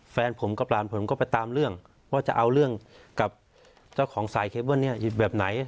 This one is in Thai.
แฟนผมก็ไปตามเรื่องว่าจะเอาเรื่องกับเจ้าของสายเคเบิ้ลเนี่ยแบบไหน